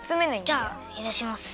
じゃあへらします。